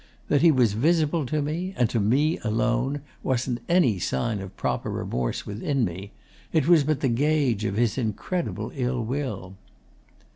That he was visible to me, and to me alone, wasn't any sign of proper remorse within me. It was but the gauge of his incredible ill will.